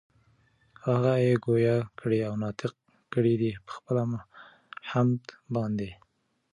او هغه ئي ګویا کړي او ناطق کړي دي پخپل حَمد باندي